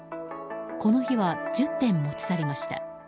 この日は１０点持ち去りました。